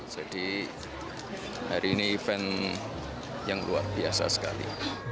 hari ini event yang luar biasa sekali